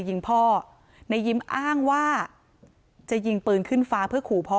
ยิงพ่อนายยิ้มอ้างว่าจะยิงปืนขึ้นฟ้าเพื่อขู่พ่อ